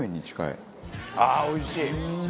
ああおいしい！